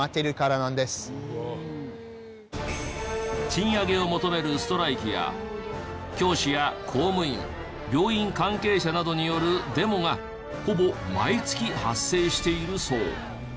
賃上げを求めるストライキや教師や公務員病院関係者などによるデモがほぼ毎月発生しているそう。